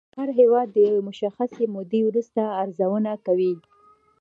هر هېواد د یوې مشخصې مودې وروسته ارزونه کوي